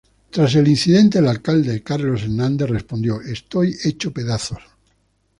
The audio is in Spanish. Tras el incidente, el alcalde Carlos Hernández respondió: "Estoy hecho pedazos.